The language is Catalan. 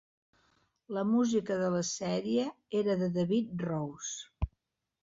La música de la sèrie era de David Rose.